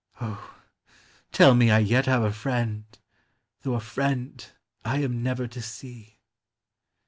O, tell me I yet have a friend, Though a friend I am never to see.